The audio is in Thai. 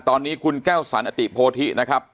ตอนนี้คุณแก้วสันอติโพธินะครับ